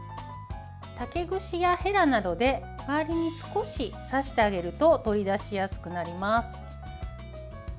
竹串やへらなどで周りに少し刺してあげると取り出しやすくなります。